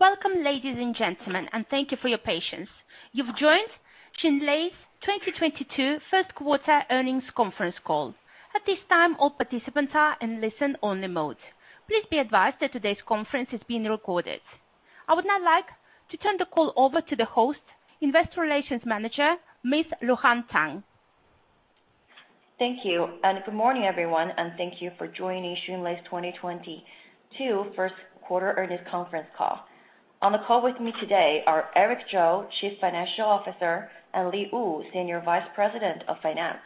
Welcome, ladies and gentlemen, and thank you for your patience. You've joined Xunlei's 2022 First Quarter Earnings Conference Call. At this time, all participants are in listen-only mode. Please be advised that today's conference is being recorded. I would now like to turn the call over to the host, Investor Relations Manager, Miss Luhan Tang. Thank you, and good morning, everyone, and thank you for joining Xunlei's 2022 First Quarter Earnings Conference Call. On the call with me today are Eric Zhou, Chief Financial Officer, and Li Li, Senior Vice President of Finance.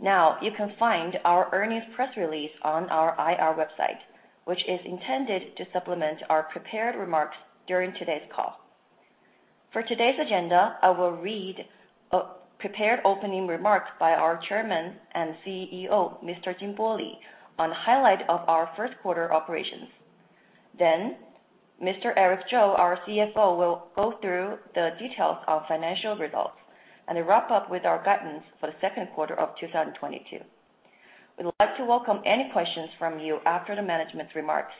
Now, you can find our earnings press release on our IR website, which is intended to supplement our prepared remarks during today's call. For today's agenda, I will read prepared opening remarks by our Chairman and CEO, Mr. Jinbo Li, on the highlight of our first quarter operations. Then Mr. Eric Zhou, our CFO, will go through the details of financial results and then wrap up with our guidance for the second quarter of 2022. We'd like to welcome any questions from you after the management's remarks.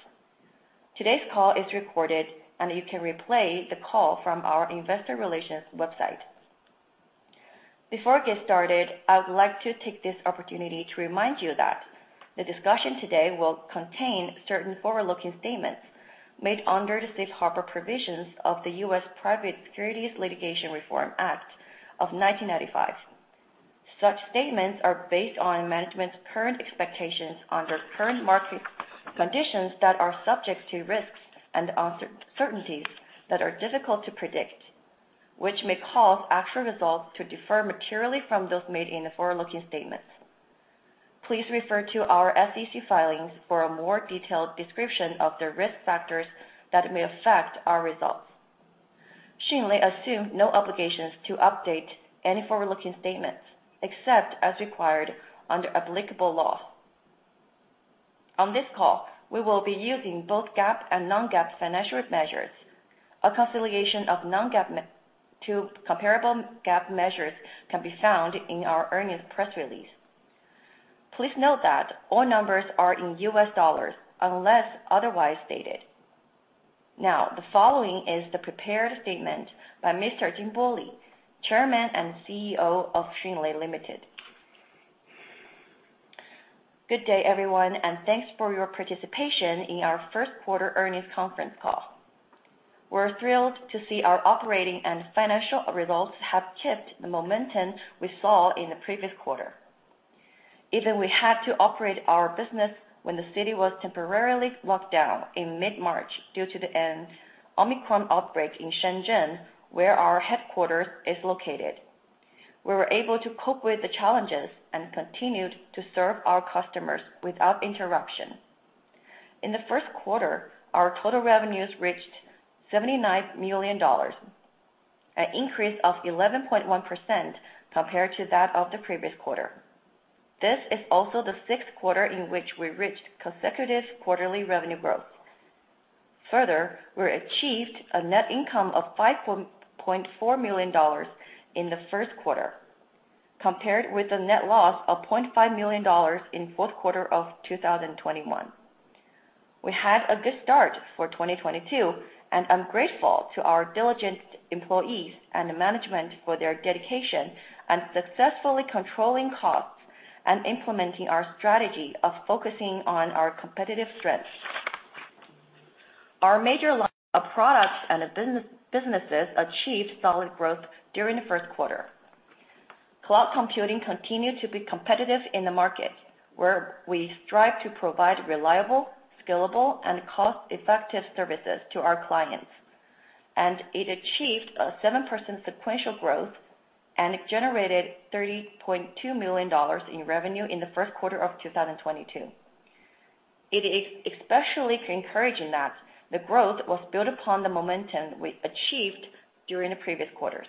Today's call is recorded, and you can replay the call from our Investor Relations website. Before we get started, I would like to take this opportunity to remind you that the discussion today will contain certain forward-looking statements made under the Safe Harbor provisions of the U.S. Private Securities Litigation Reform Act of 1995. Such statements are based on management's current expectations under current market conditions that are subject to risks and uncertainties that are difficult to predict, which may cause actual results to differ materially from those made in the forward-looking statements. Please refer to our SEC filings for a more detailed description of the risk factors that may affect our results. Xunlei assume no obligations to update any forward-looking statements, except as required under applicable law. On this call, we will be using both GAAP and non-GAAP financial measures. A reconciliation of non-GAAP measures to comparable GAAP measures can be found in our earnings press release. Please note that all numbers are in U.S. dollars, unless otherwise stated. Now, the following is the prepared statement by Mr. Jinbo Li, Chairman and CEO of Xunlei Limited. Good day, everyone, and thanks for your participation in our first quarter earnings conference call. We're thrilled to see our operating and financial results have kept the momentum we saw in the previous quarter. Even we had to operate our business when the city was temporarily locked down in mid-March due to the Omicron outbreak in Shenzhen, where our headquarters is located. We were able to cope with the challenges and continued to serve our customers without interruption. In the first quarter, our total revenues reached $79 million, an increase of 11.1% compared to that of the previous quarter. This is also the sixth quarter in which we reached consecutive quarterly revenue growth. Further, we achieved a net income of $5.4 million in the first quarter, compared with a net loss of $0.5 million in the fourth quarter of 2021. We had a good start for 2022, and I'm grateful to our diligent employees and the management for their dedication and successfully controlling costs and implementing our strategy of focusing on our competitive strengths. Our major line of products and businesses achieved solid growth during the first quarter. Cloud computing continued to be competitive in the market, where we strive to provide reliable, scalable, and cost-effective services to our clients. It achieved a 7% sequential growth and it generated $30.2 million in revenue in the first quarter of 2022. It is especially encouraging that the growth was built upon the momentum we achieved during the previous quarters.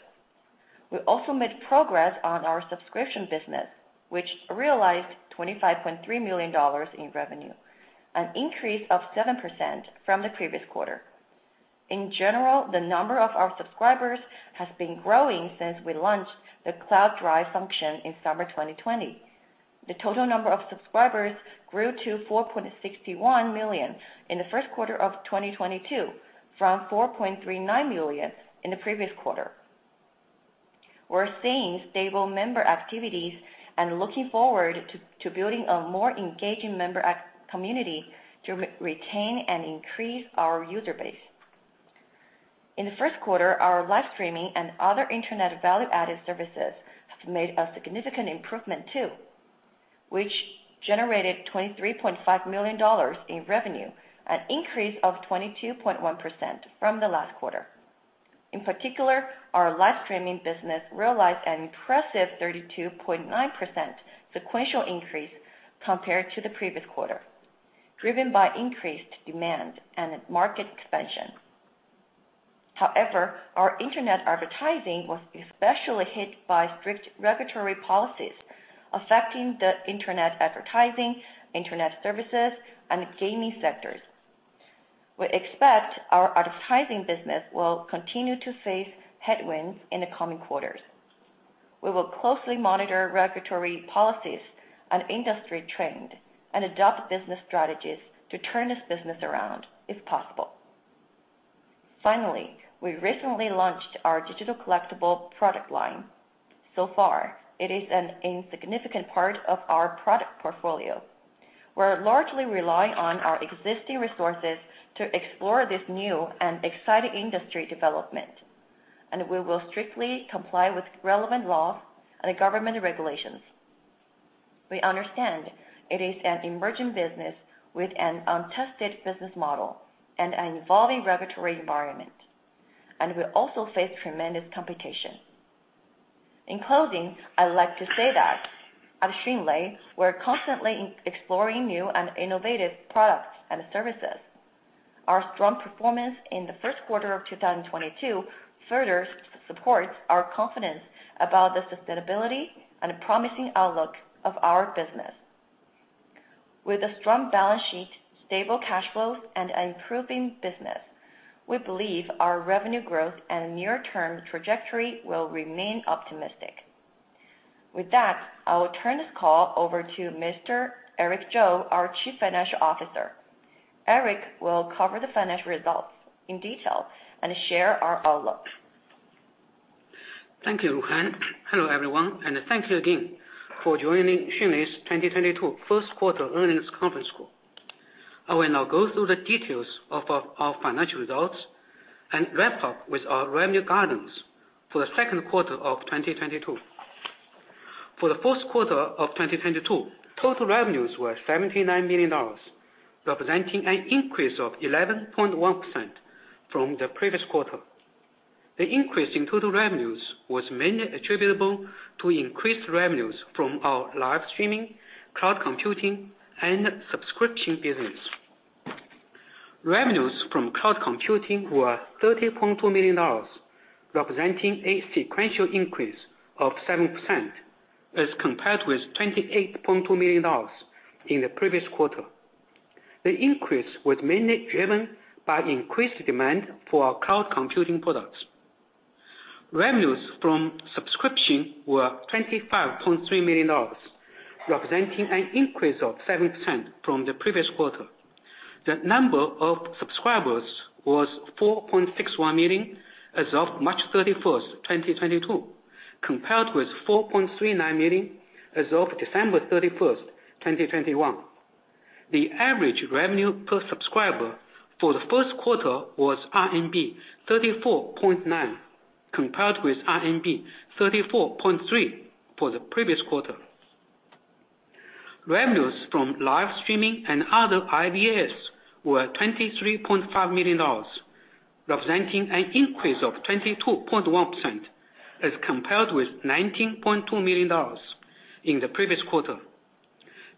We also made progress on our subscription business, which realized $25.3 million in revenue, an increase of 7% from the previous quarter. In general, the number of our subscribers has been growing since we launched the Cloud Drive function in summer 2020. The total number of subscribers grew to 4.61 million in the first quarter of 2022, from 4.39 million in the previous quarter. We're seeing stable member activities and looking forward to building a more engaging member community to retain and increase our user base. In the first quarter, our live streaming and other internet value-added services have made a significant improvement too, which generated $23.5 million in revenue, an increase of 22.1% from the last quarter. In particular, our live streaming business realized an impressive 32.9% sequential increase compared to the previous quarter, driven by increased demand and market expansion. However, our internet advertising was especially hit by strict regulatory policies affecting the internet advertising, internet services, and gaming sectors. We expect our advertising business will continue to face headwinds in the coming quarters. We will closely monitor regulatory policies and industry trend and adopt business strategies to turn this business around if possible. Finally, we recently launched our digital collectibles product line. So far, it is an insignificant part of our product portfolio. We're largely relying on our existing resources to explore this new and exciting industry development, and we will strictly comply with relevant laws and government regulations. We understand it is an emerging business with an untested business model and an evolving regulatory environment, and we also face tremendous competition. In closing, I'd like to say that at Xunlei, we're constantly exploring new and innovative products and services. Our strong performance in the first quarter of 2022 further supports our confidence about the sustainability and promising outlook of our business. With a strong balance sheet, stable cash flows, and improving business, we believe our revenue growth and near-term trajectory will remain optimistic. With that, I will turn this call over to Mr. Eric Zhou, our Chief Financial Officer. Eric will cover the financial results in detail and share our outlook. Thank you, Luhan. Hello, everyone, and thank you again for joining Xunlei's 2022 First Quarter Earnings Conference Call. I will now go through the details of our financial results and wrap up with our revenue guidance for the second quarter of 2022. For the first quarter of 2022, total revenues were $79 million, representing an increase of 11.1% from the previous quarter. The increase in total revenues was mainly attributable to increased revenues from our live streaming, cloud computing, and subscription business. Revenues from cloud computing were $30.2 million, representing a sequential increase of 7% as compared with $28.2 million in the previous quarter. The increase was mainly driven by increased demand for our cloud computing products. Revenues from subscription were $25.3 million, representing an increase of 7% from the previous quarter. The number of subscribers was 4.61 million as of March 31, 2022, compared with 4.39 million as of December 31, 2021. The average revenue per subscriber for the first quarter was RMB 34.9, compared with RMB 34.3 for the previous quarter. Revenues from live streaming and other IVAS were $23.5 million, representing an increase of 22.1% as compared with $19.2 million in the previous quarter.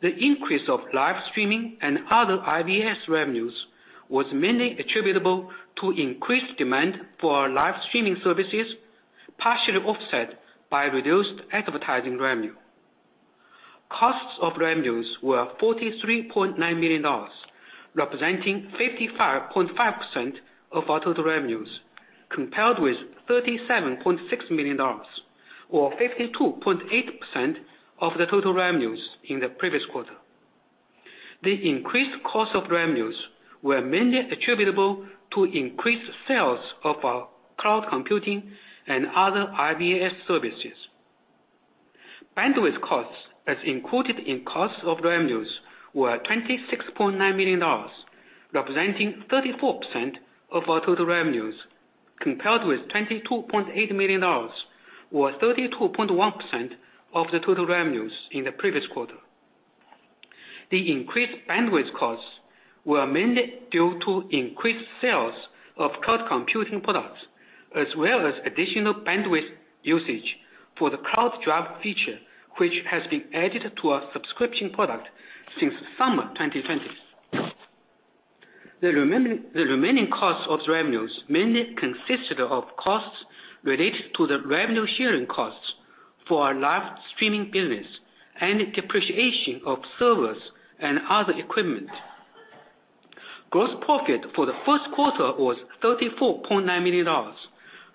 The increase of live streaming and other IVAS revenues was mainly attributable to increased demand for our live streaming services, partially offset by reduced advertising revenue. Costs of revenues were $43.9 million, representing 55.5% of our total revenues, compared with $37.6 million, or 52.8% of the total revenues in the previous quarter. The increased cost of revenues were mainly attributable to increased sales of our cloud computing and other IVAS services. Bandwidth costs as included in costs of revenues were $26.9 million, representing 34% of our total revenues, compared with $22.8 million or 32.1% of the total revenues in the previous quarter. The increased bandwidth costs were mainly due to increased sales of cloud computing products as well as additional bandwidth usage for the Cloud Drive feature, which has been added to our subscription product since summer 2020. The remaining costs of revenues mainly consisted of costs related to the revenue sharing costs for our live streaming business and depreciation of servers and other equipment. Gross profit for the first quarter was $34.9 million,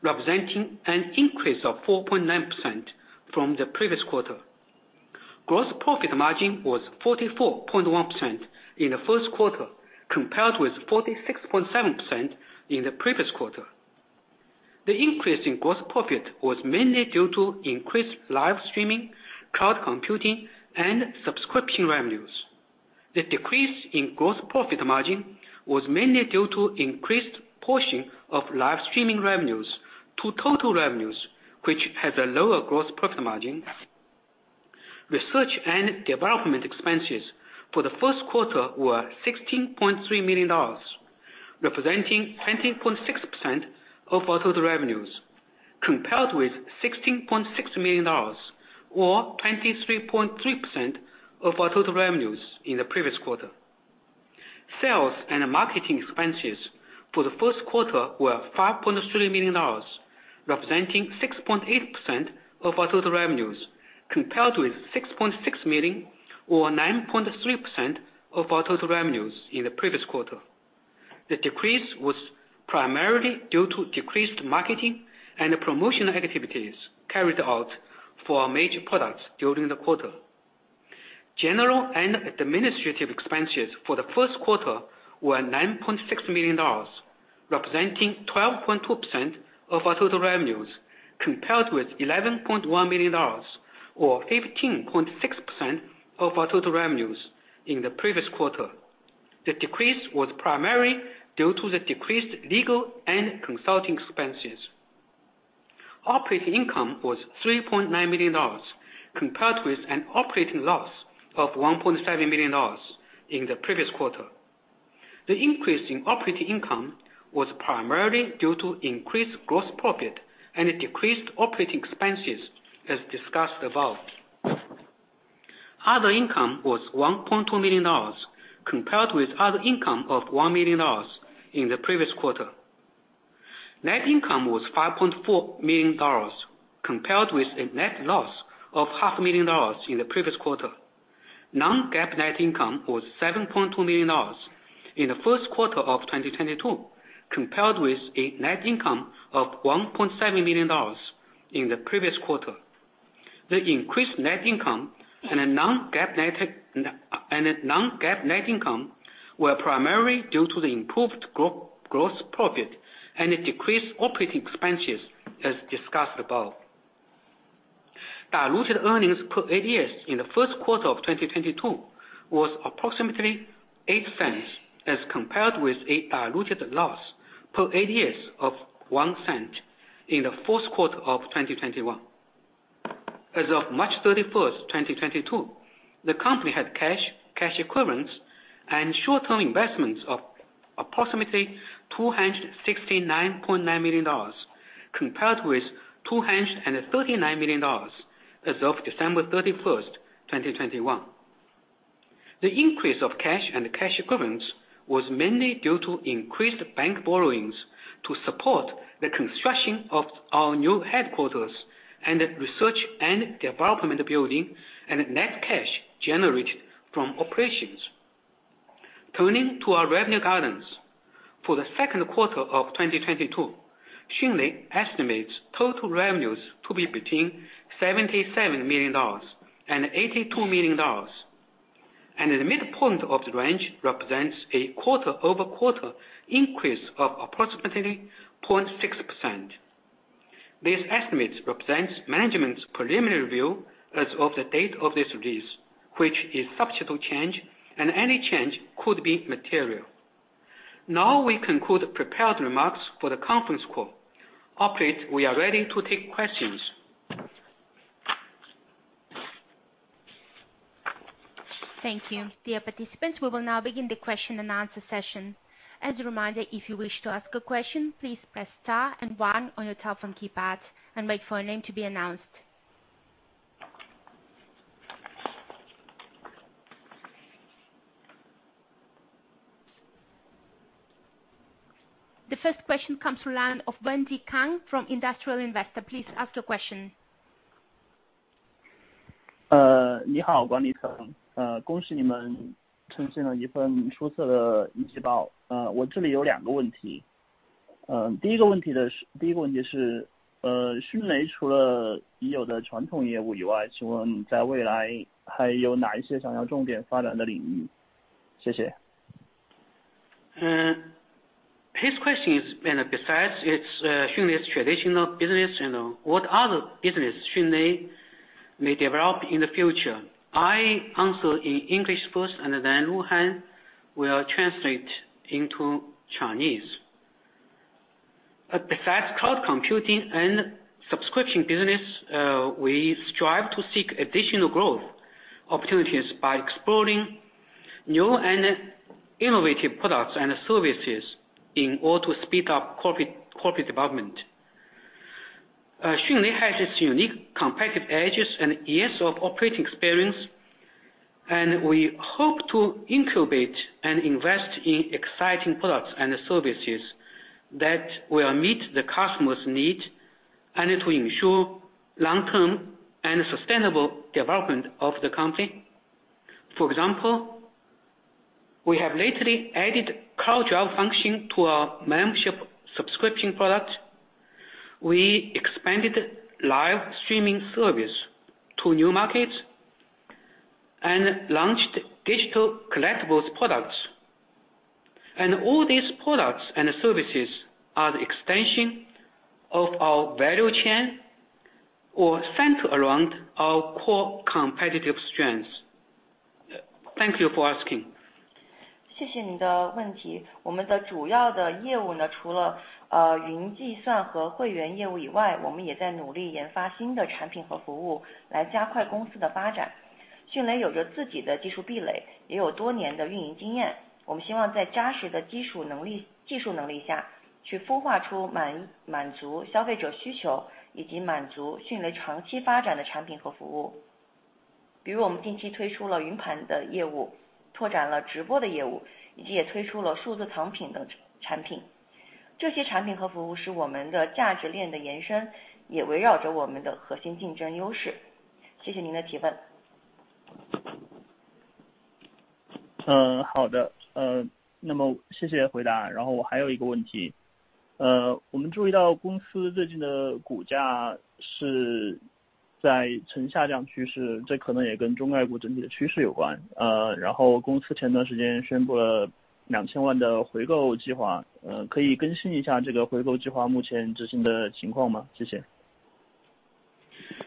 representing an increase of 4.9% from the previous quarter. Gross profit margin was 44.1% in the first quarter, compared with 46.7% in the previous quarter. The increase in gross profit was mainly due to increased live streaming, cloud computing, and subscription revenues. The decrease in gross profit margin was mainly due to increased portion of live streaming revenues to total revenues, which has a lower gross profit margin. Research and development expenses for the first quarter were $16.3 million, representing 20.6% of our total revenues, compared with $16.6 million or 23.3% of our total revenues in the previous quarter. Sales and marketing expenses for the first quarter were $5.3 million, representing 6.8% of our total revenues, compared with $6.6 million or 9.3% of our total revenues in the previous quarter. The decrease was primarily due to decreased marketing and promotion activities carried out for our major products during the quarter. General and administrative expenses for the first quarter were $9.6 million, representing 12.2% of our total revenues, compared with $11.1 million or 15.6% of our total revenues in the previous quarter. The decrease was primarily due to the decreased legal and consulting expenses. Operating income was $3.9 million, compared with an operating loss of $1.7 million in the previous quarter. The increase in operating income was primarily due to increased gross profit and decreased operating expenses as discussed above. Other income was $1.2 million, compared with other income of $1 million in the previous quarter. Net income was $5.4 million, compared with a net loss of half a million dollars in the previous quarter. Non-GAAP net income was $7.2 million in the first quarter of 2022, compared with a net income of $1.7 million in the previous quarter. The increased net income and a non-GAAP net income were primarily due to the improved gross profit and a decreased operating expenses, as discussed above. Diluted earnings per ADS in the first quarter of 2022 was approximately $0.08, as compared with a diluted loss per ADS of $0.01 in the fourth quarter of 2021. As of March 31, 2022, the company had cash equivalents and short-term investments of approximately $269.9 million, compared with $239 million as of December 31, 2021. The increase of cash and cash equivalents was mainly due to increased bank borrowings to support the construction of our new headquarters and research and development building and net cash generated from operations. Turning to our revenue guidance. For the second quarter of 2022, Xunlei estimates total revenues to be between $77 million and $82 million, and the midpoint of the range represents a quarter-over-quarter increase of approximately 0.6%. These estimates represents management's preliminary view as of the date of this release, which is subject to change, and any change could be material. Now we conclude prepared remarks for the conference call. Operator, we are ready to take questions. Thank you. Dear participants, we will now begin the question-and-answer session. As a reminder, if you wish to ask a question, please press star and one on your telephone keypad and wait for a name to be announced. The first question comes from the line of Wendy Kang from Industrial Investor. Please ask your question. 你好，管理层。恭喜你们呈现了一份出色的季报。我这里有两个问题。第一个问题是，迅雷除了已有的传统业务以外，请问在未来还有哪一些想要重点发展的领域？谢谢。His question is, and besides, it's Xunlei's traditional business, you know, what other business Xunlei may develop in the future? I answer in English first, and then Luhan will translate into Chinese. Besides cloud computing and subscription business, we strive to seek additional growth opportunities by exploring new and innovative products and services in order to speed up corporate development. Xunlei has its unique competitive edges and years of operating experience, and we hope to incubate and invest in exciting products and services that will meet the customer's need and it will ensure long-term and sustainable development of the company. For example, we have lately added cloud drive function to our membership subscription product. We expanded live streaming service to new markets and launched digital collectibles products. All these products and services are the extension of our value chain or center around our core competitive strengths. Thank you for asking.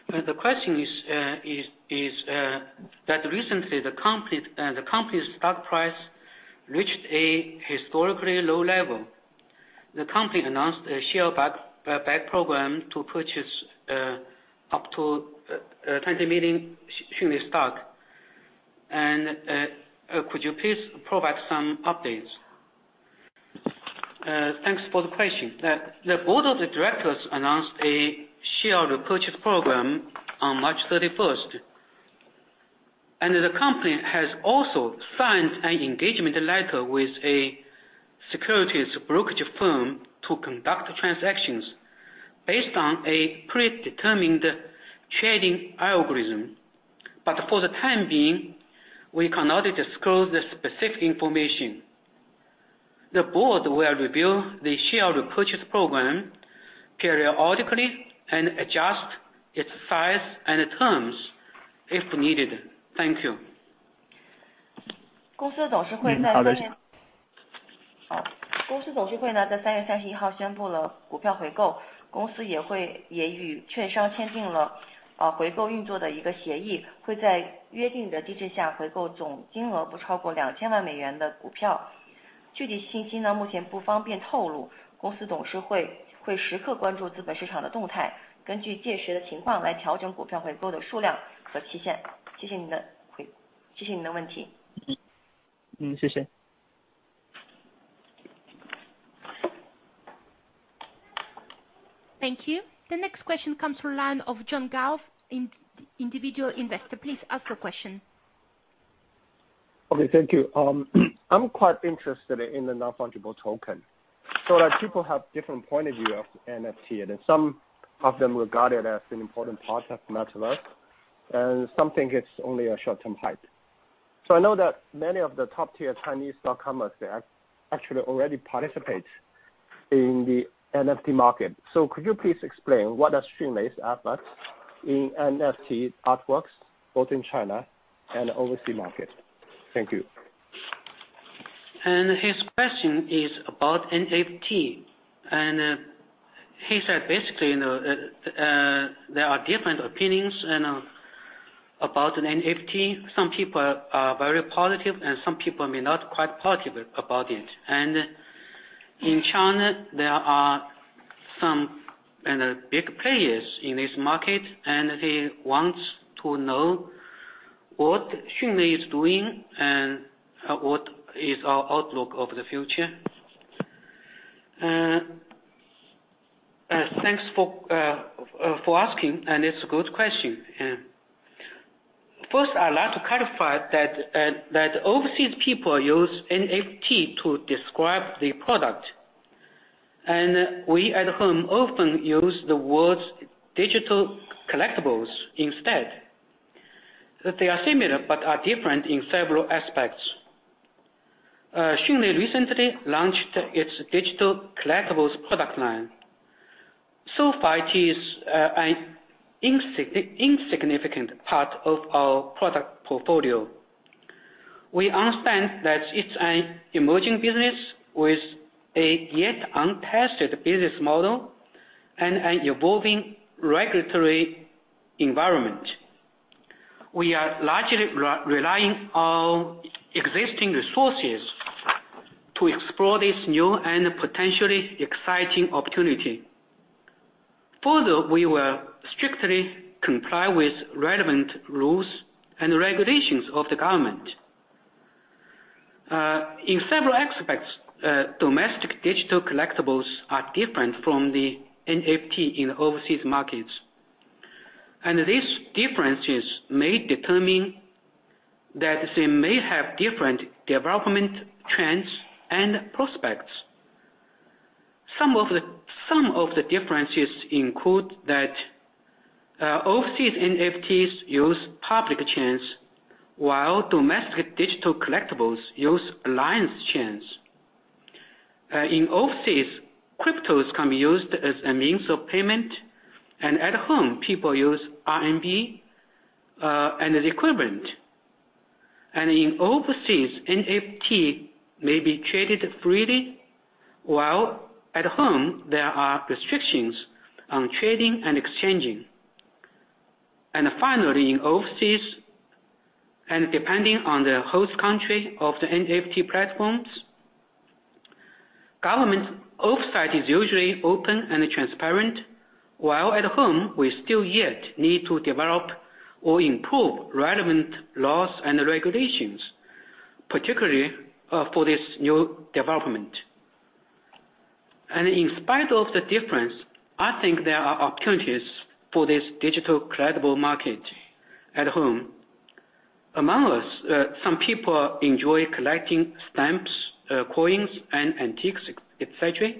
The question is that recently the company's stock price reached a historically low level. The company announced a share buyback program to purchase up to 20 million Xunlei stock. Could you please provide some updates? Thanks for the question. The board of directors announced a share purchase program on March 31st. The company has also signed an engagement letter with a securities brokerage firm to conduct transactions based on a predetermined trading algorithm. For the time being, we cannot disclose the specific information. The board will review the share purchase program periodically and adjust its size and terms if needed. Thank you. 公司董事会在好的。好。公司董事会呢，在三月三十一号宣布了股票回购，公司也与券商签订了回购运作的一个协议，会在约定的机制下回购总金额不超过两千万美元的股票。具体信息呢，目前不方便透露。公司董事会会时刻关注资本市场的动态，根据届时的情况来调整股票回购的数量和期限。谢谢您的问题。谢谢。Thank you. The next question comes from the line of John Galf, an Individual Investor. Please ask your question. I'm quite interested in the non-fungible token. That people have different points of view of NFT, and some of them regard it as an important part of metaverse, and sometimes it's only a short-term hype. I know that many of the top-tier Chinese e-commerce, they are actually already participate in the NFT market. Could you please explain what are Xunlei's output in NFT artworks both in China and overseas market? Thank you. His question is about NFT, and he said basically, you know, there are different opinions, you know, about NFT. Some people are very positive and some people may not quite positive about it. In China, there are some, you know, big players in this market, and he wants to know what Xunlei is doing and what is our outlook of the future. Thanks for asking. It's a good question. First, I'd like to clarify that overseas people use NFT to describe the product, and we at home often use the words digital collectibles instead. They are similar but are different in several aspects. Xunlei recently launched its digital collectibles product line. So far, it is an insignificant part of our product portfolio. We understand that it's an emerging business with a yet untested business model and an evolving regulatory environment. We are largely relying on existing resources to explore this new and potentially exciting opportunity. Further, we will strictly comply with relevant rules and regulations of the government. In several aspects, domestic digital collectibles are different from the NFT in overseas markets, and these differences may determine that they may have different development trends and prospects. Some of the differences include that overseas NFTs use public chains, while domestic digital collectibles use alliance chains. In overseas, cryptos can be used as a means of payment, and at home, people use renminbi and the equivalent. In overseas, NFT may be traded freely, while at home there are restrictions on trading and exchanging. Finally, in overseas, and depending on the host country of the NFT platforms, government oversight is usually open and transparent, while at home, we still yet need to develop or improve relevant laws and regulations, particularly for this new development. In spite of the difference, I think there are opportunities for this digital collectible market at home. Among us, some people enjoy collecting stamps, coins and antiques, etcetera.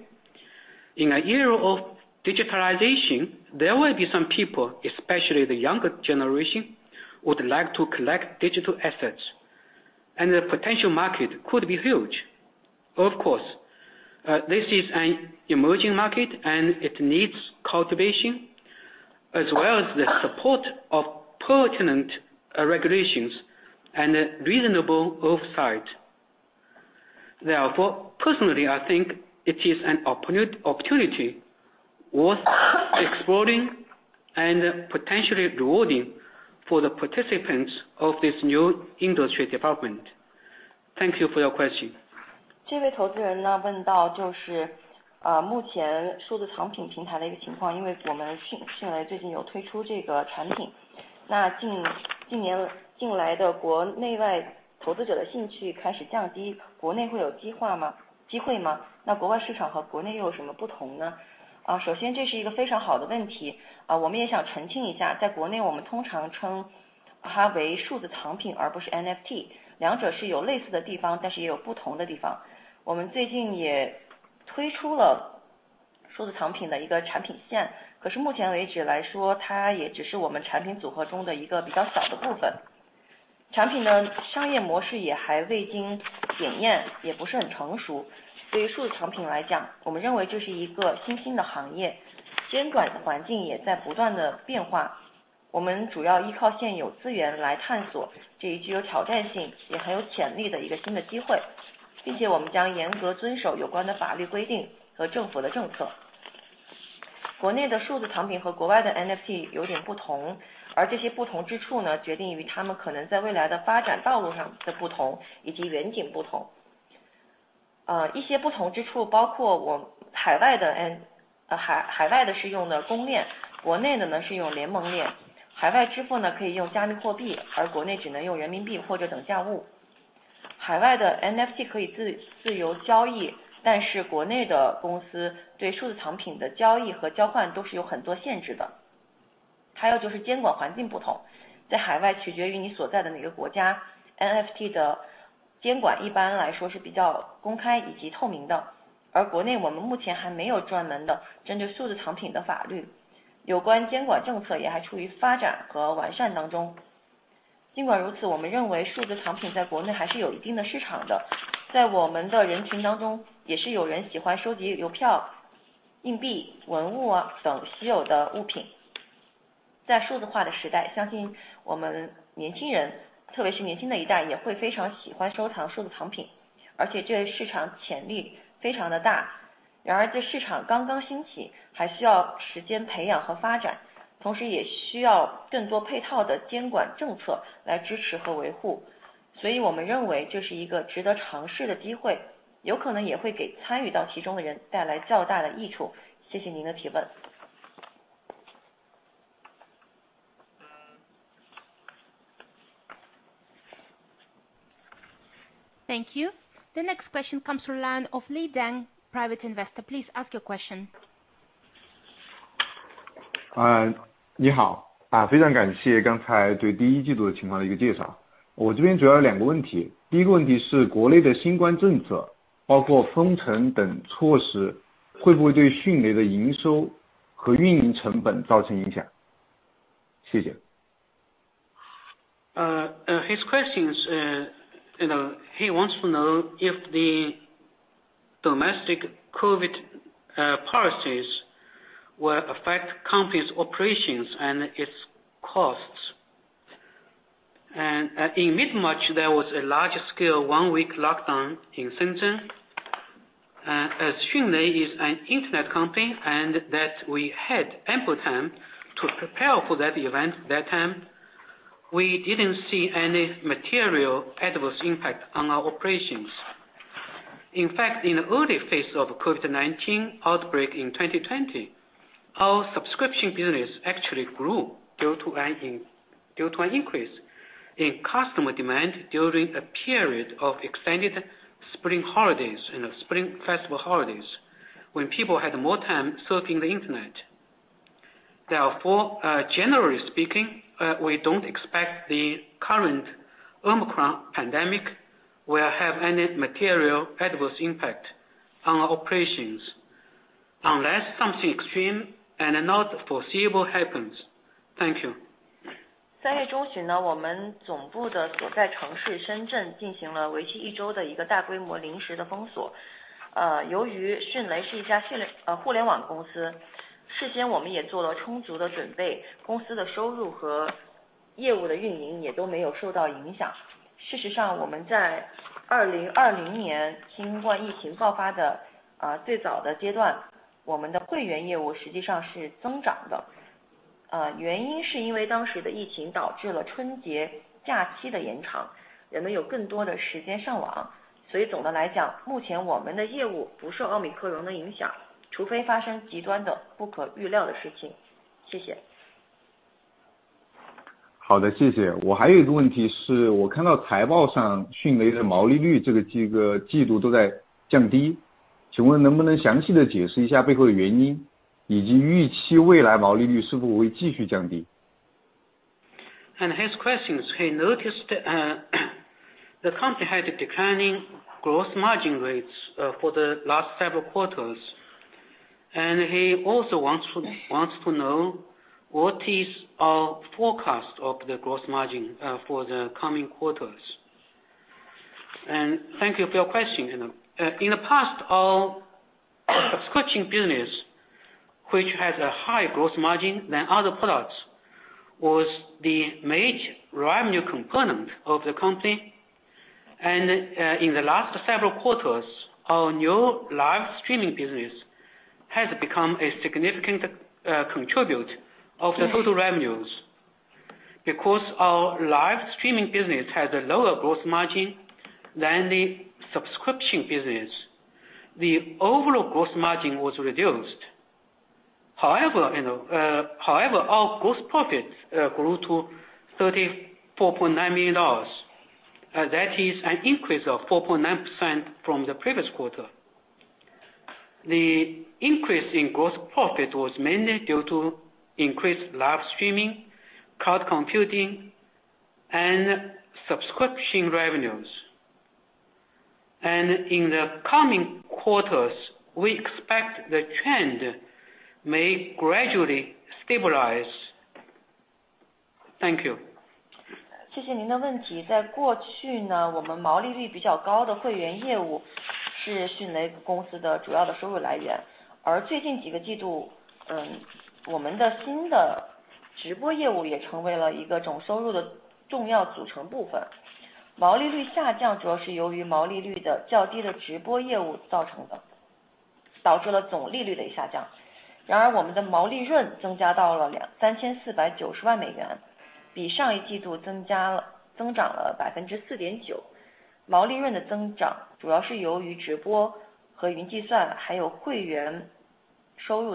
In an era of digitalization, there will be some people, especially the younger generation, would like to collect digital assets, and the potential market could be huge. Of course, this is an emerging market and it needs cultivation as well as the support of pertinent regulations and reasonable oversight. Therefore, personally, I think it is an opportunity worth exploring and potentially rewarding for the participants of this new industry development. Thank you for your question. Thank you. The next question comes from the line of Li Deng, Private Investor. Please ask your question. 你好，非常感谢刚才对第一季度的情况的介绍。我这边主要有两个问题，第一个问题是国内的新冠政策，包括封城等措施会不会对迅雷的营收和运营成本造成影响？谢谢。His question is, you know, he wants to know if the domestic COVID policies will affect company's operations and its costs. In mid-March, there was a large scale one week lockdown in Shenzhen. As Xunlei is an internet company and that we had ample time to prepare for that event. That time we didn't see any material adverse impact on our operations. In fact, in the early phase of COVID-19 outbreak in 2020, our subscription business actually grew due to an increase in customer demand during a period of extended spring holidays, you know spring festival holidays, when people had more time surfing the internet. Therefore, generally speaking, we don't expect the current Omicron pandemic will have any material adverse impact on our operations unless something extreme and not foreseeable happens. Thank you. 好的，谢谢。我还有一个问题是，我看到财报上迅雷的毛利率这个季度都在降低，请问能不能详细地解释一下背后的原因，以及预期未来毛利率是否会继续降低？ His question is, he noticed, the company had a declining gross margin rates, for the last several quarters. He also wants to know what is our forecast of the gross margin, for the coming quarters. Thank you for your question, you know. In the past, our subscription business, which has a high gross margin than other products, was the major revenue component of the company. In the last several quarters, our new live streaming business has become a significant contributor of the total revenues. Because our live streaming business has a lower gross margin than the subscription business, the overall gross margin was reduced. However, you know, however, our gross profits grew to $34.9 million. That is an increase of 4.9% from the previous quarter. The increase in gross profit was mainly due to increased live streaming, cloud computing, and subscription revenues. In the coming quarters, we expect the trend may gradually stabilize. Thank you. Thank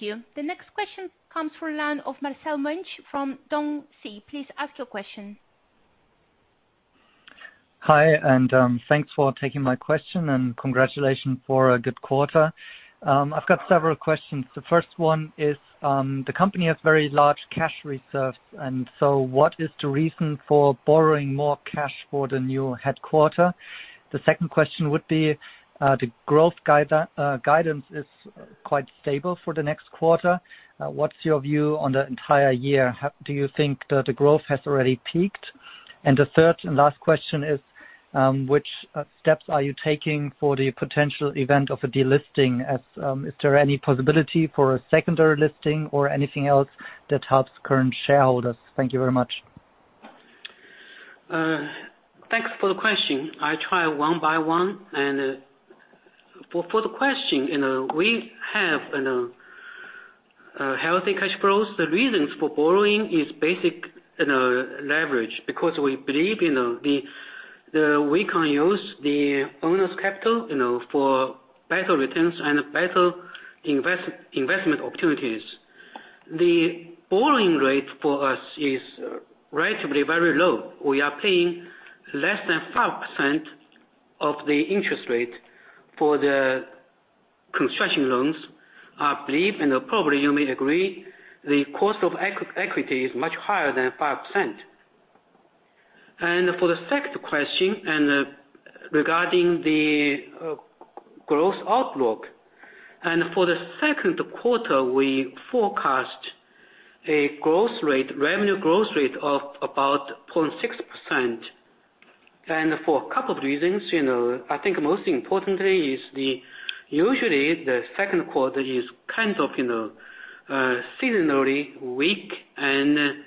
you. The next question comes from line of Marcel Munch from Deutsche Bank. Please ask your question. Hi, thanks for taking my question, and congratulations for a good quarter. I've got several questions. The first one is, the company has very large cash reserves, and so what is the reason for borrowing more cash for the new headquarters? The second question would be, the growth guidance is quite stable for the next quarter. What's your view on the entire year? Do you think the growth has already peaked? The third and last question is, which steps are you taking for the potential event of a delisting? Is there any possibility for a secondary listing or anything else that helps current shareholders? Thank you very much. Thanks for the question. I try one by one. For the question, you know, we have, you know, healthy cash flows. The reasons for borrowing is basic, you know, leverage, because we believe, you know, we can use the owner's capital, you know, for better returns and better investment opportunities. The borrowing rate for us is relatively very low. We are paying less than 5% of the interest rate for the construction loans. I believe, and probably you may agree, the cost of equity is much higher than 5%. For the second question, regarding the growth outlook, for the second quarter, we forecast a growth rate, revenue growth rate of about 0.6%. For a couple of reasons, you know, I think most importantly is usually the second quarter is kind of, you know, seasonally weak and,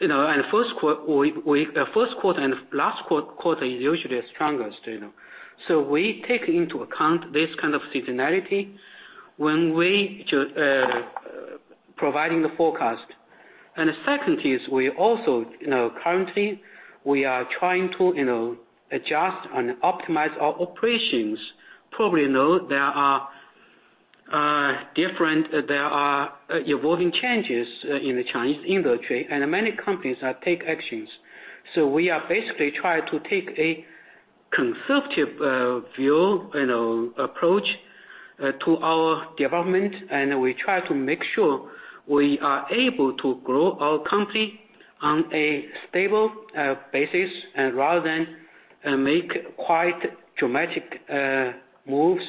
you know, and the first quarter and last quarter is usually the strongest, you know. We take into account this kind of seasonality when providing the forecast. The second is we also, you know, currently we are trying to, you know, adjust and optimize our operations. Probably, you know, there are evolving changes in the Chinese industry, and many companies are taking actions. We are basically trying to take a conservative view, you know, approach to our development, and we try to make sure we are able to grow our company on a stable basis rather than make quite dramatic moves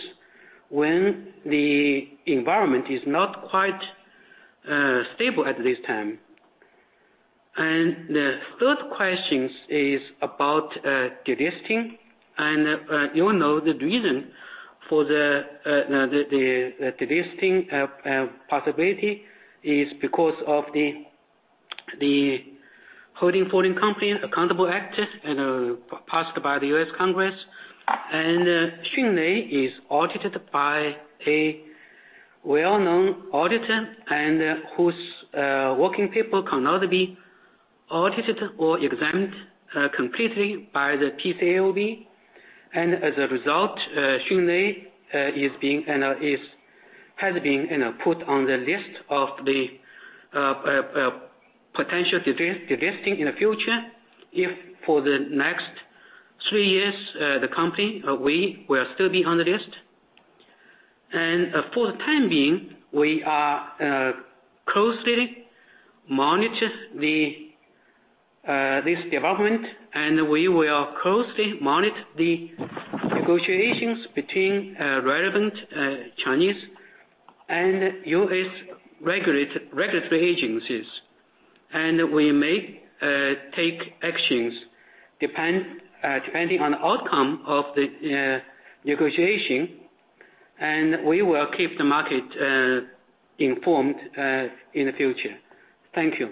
when the environment is not quite stable at this time. The third question is about delisting. You know, the reason for the delisting possibility is because of the Holding Foreign Companies Accountable Act, you know, passed by the U.S. Congress. Xunlei is audited by a well-known auditor whose work papers cannot be audited or examined completely by the PCAOB. As a result, Xunlei has been put on the list of the potential divestment in the future. If for the next three years, the company we will still be on the list. For the time being, we are closely monitor this development, and we will closely monitor the negotiations between relevant Chinese and U.S. regulatory agencies. We may take actions depending on the outcome of the negotiation. We will keep the market informed in the future. Thank you.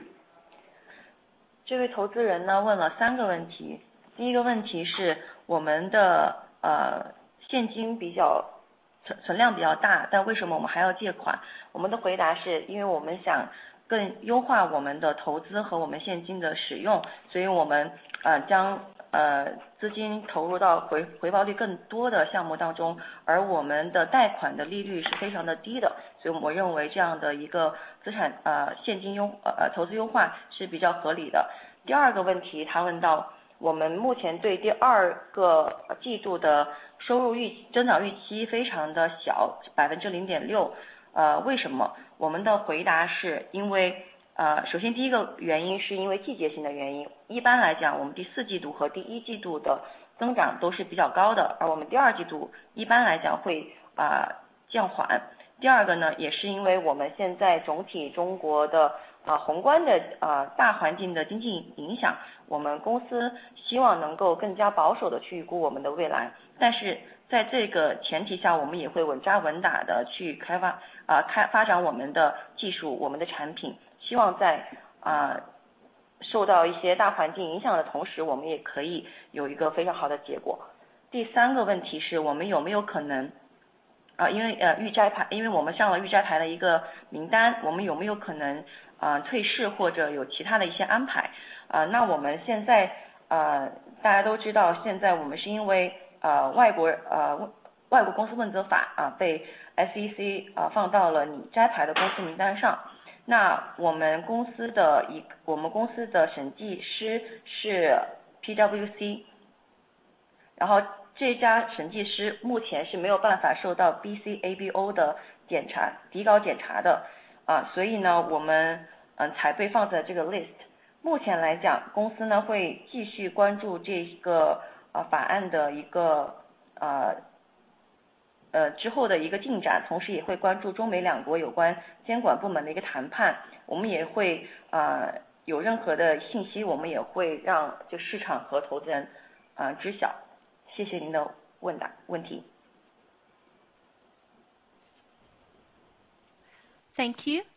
Thank you.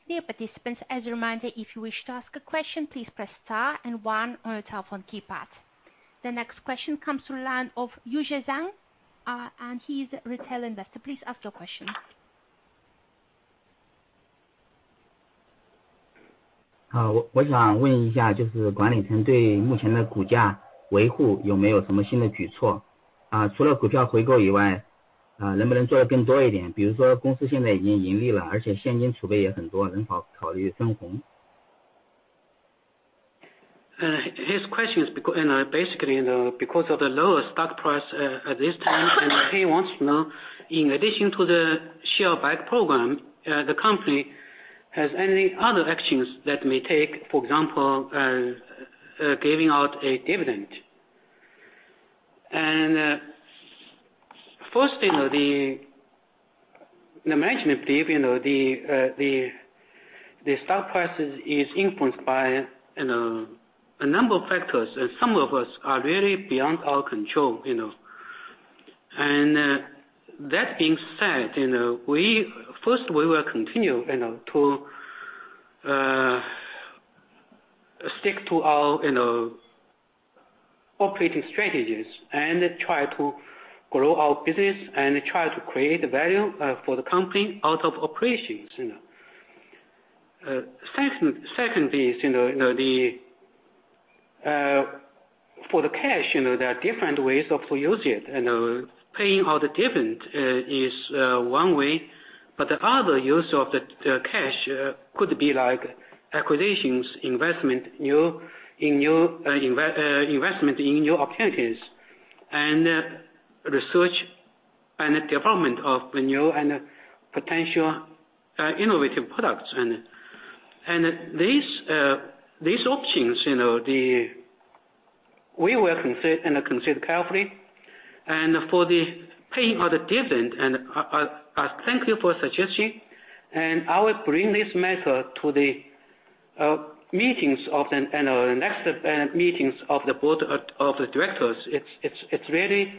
Dear participants, as a reminder, if you wish to ask a question, please press star and one on your telephone keypad. The next question comes to the line of Yuzhang, and he is a Retail Investor. Please ask your question. 我想问一下，就是管理层对目前的股价维护有没有什么新的举措？除了股票回购以外，能不能做得更多一点，比如说公司现在已经盈利了，而且现金储备也很多，能否考虑分红？ His question is and basically, you know, because of the lower stock price, at this time, he wants to know, in addition to the share buy program, the company has any other actions that may take, for example, giving out a dividend. First, you know, the management believe, you know, the stock price is influenced by, you know, a number of factors, and some of us are really beyond our control, you know. That being said, you know, first, we will continue, you know, to stick to our, you know, operating strategies and try to grow our business and try to create value, for the company out of operations, you know. Second is, you know, for the cash, you know, there are different ways of using it, you know, paying out the dividend is one way, but the other use of the cash could be like acquisitions, investments in new opportunities and research and development of new and potential innovative products. These options, you know, we will consider carefully for paying out the dividend. Thank you for suggesting and I will bring this matter to the next meetings of the board of directors. It's really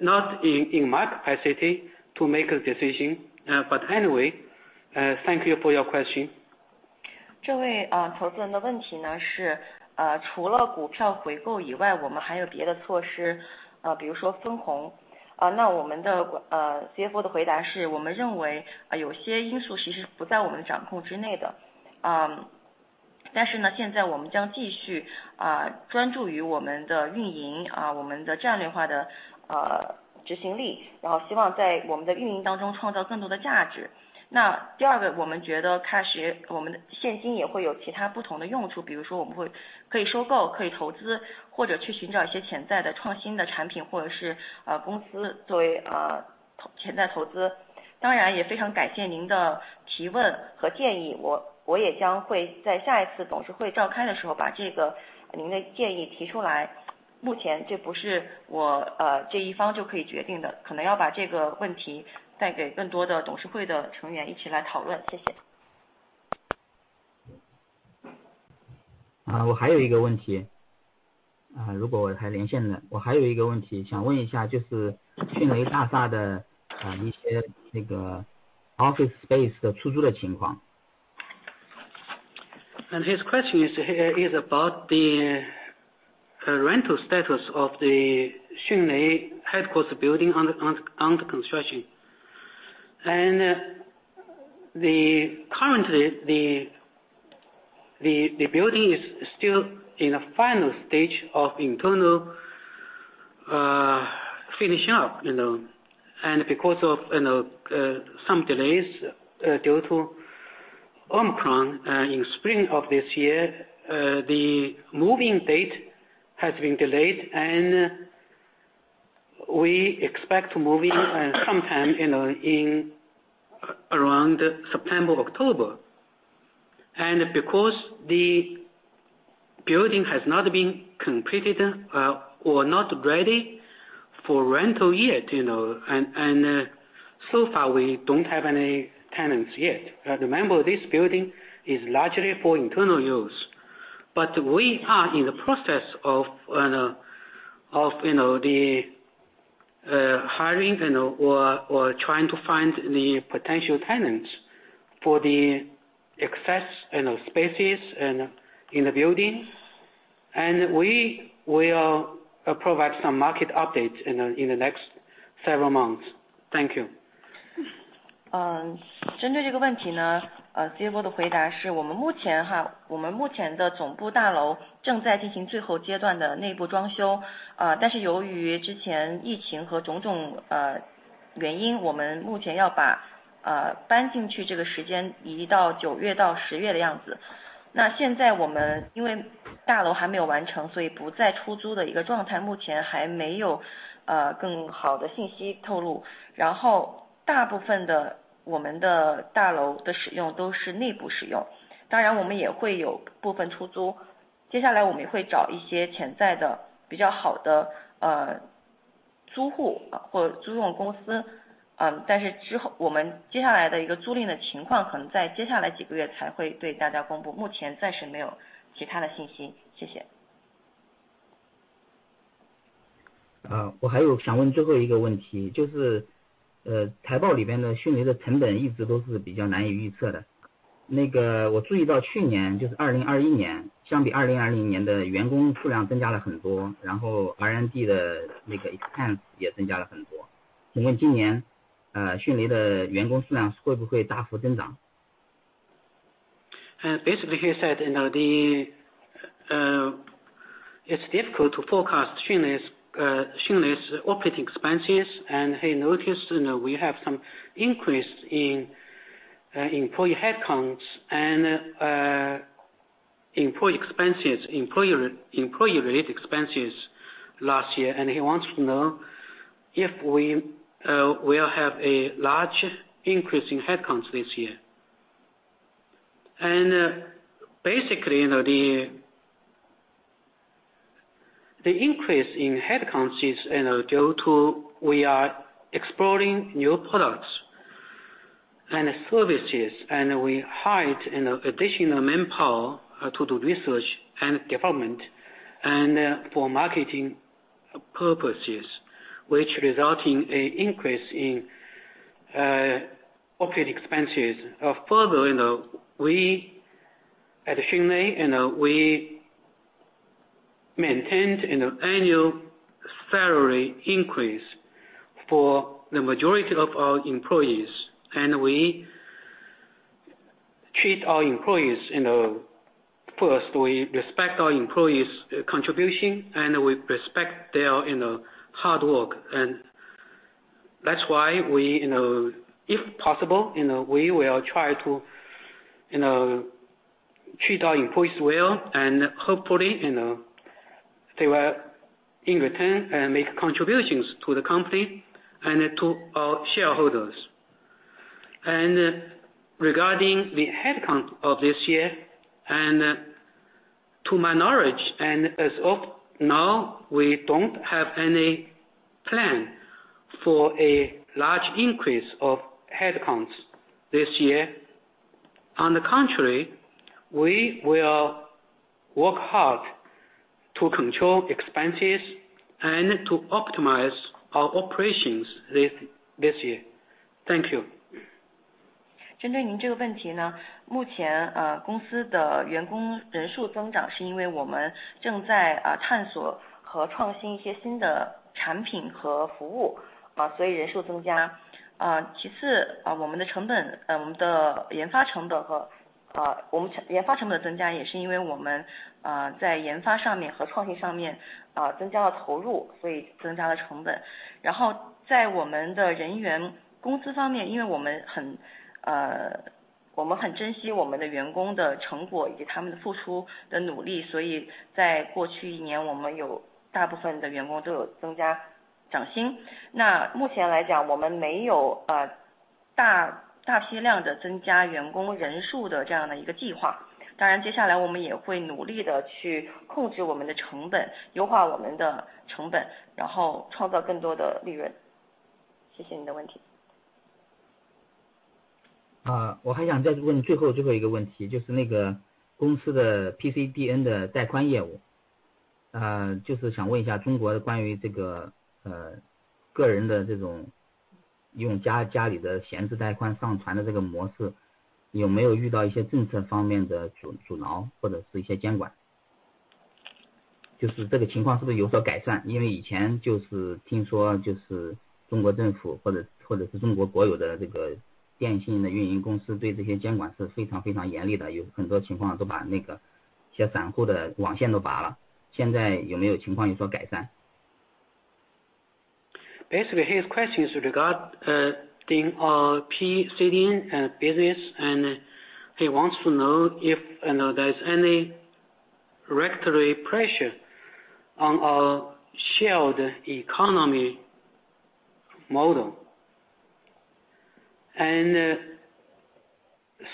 not in my capacity to make a decision. But anyway, thank you for your question. 我还有一个问题，如果我还连线呢，我还有一个问题想问一下，就是迅雷大厦的一些那个Office space出租的情况。His question is about the rental status of the Xunlei headquarters building under construction. Currently the building is still in a final stage of internal finish up you know. Because of some delays due to Omicron in spring of this year, the moving date has been delayed and we expect moving sometime you know in around September or October. Because the building has not been completed or not ready for rental yet you know. So far we don't have any tenants yet. Remember this building is largely for internal use. But we are in the process of hiring or trying to find the potential tenants for the excess spaces in the building. We will provide some market updates in the next several months. Thank you. 我还有想问最后一个问题，就是财报里边的迅雷的成本一直都是比较难以预测的。我注意到去年就是2021年，相比2020年的员工数量增加了很多，然后R&D的那个expense也增加了很多。请问今年迅雷的员工数量会不会大幅增长？ Basically he said you know the, it's difficult to forecast Xunlei's operating expenses and he noticed you know we have some increase in employee headcounts and, employee-related expenses last year. He wants to know if we will have a large increase in headcounts this year. Basically you know the increase in headcounts is you know due to we are exploring new products and services and we hired you know additional manpower to do research and development and for marketing purposes, which result in a increase in, operating expenses. Further you know we at Xunlei you know we maintained you know annual salary increase for the majority of our employees. We treat our employees you know, first we respect our employees' contribution and we respect their you know hard work. That's why we you know if possible you know we will try to you know treat our employees well and hopefully you know they will in return and make contributions to the company and to our shareholders. Regarding the headcount of this year and to my knowledge and as of now, we don't have any plan for a large increase of headcounts this year. On the contrary, we will work hard to control expenses and to optimize our operations this year. Thank you. Basically his question is regarding in our PCDN business, and he wants to know if, you know, there's any regulatory pressure on our sharing economy model.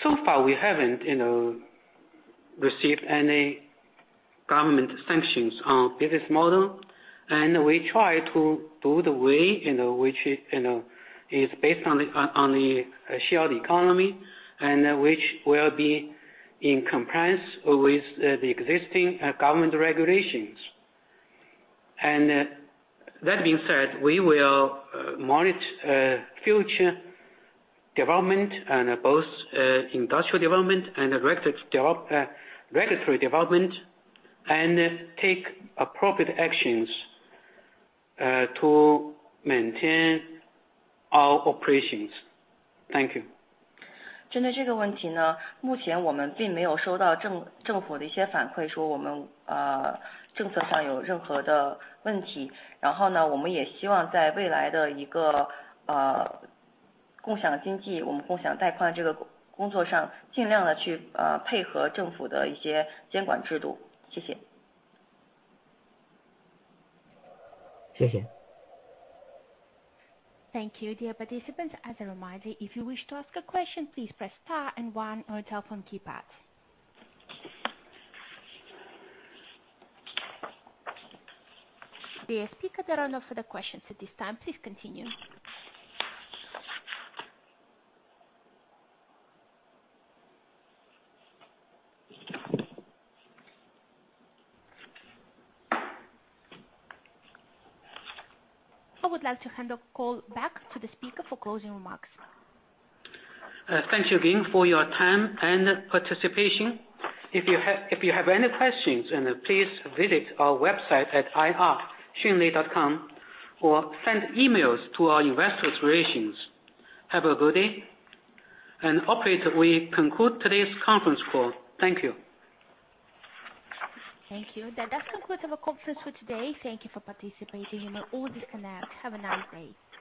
So far we haven't, you know, received any government sanctions on business model. We try to do the way, you know, which, you know, is based on the, on the sharing economy and which will be in compliance with the existing government regulations. That being said, we will monitor future development and both industrial development and regulatory development and take appropriate actions to maintain our operations. Thank you. 针对这个问题，目前我们并没有收到政府的一些反馈说我们政策上有任何的问题。然后，我们也希望在未来的共享经济，我们共享贷款这个工作上，尽量地去配合政府的一些监管制度。谢谢。谢谢。Thank you, dear participants. As a reminder, if you wish to ask a question, please press star and one on your telephone keypad. There are no further questions at this time. Please continue. I would like to hand the call back to the speaker for closing remarks. Thank you again for your time and participation. If you have any questions then please visit our website at ir.xunlei.com or send emails to our Investor Relations. Have a good day and operator we conclude today's conference call. Thank you. Thank you. That does conclude our conference for today. Thank you for participating. You may all disconnect. Have a nice day.